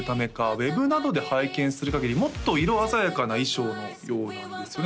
ウエブなどで拝見するかぎりもっと色鮮やかな衣装のようなんですよね